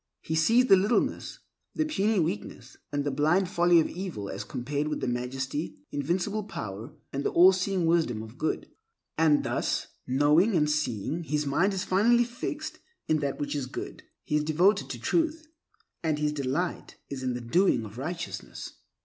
He sees the littleness, the puny weakness, the blind folly of evil as compared with the majesty, the invincible power, and the all seeing wisdom of Good. And thus, knowing and seeing, his mind is finally fixed in that which is good. He is devoted to Truth, and his delight is in the doing of righteousness.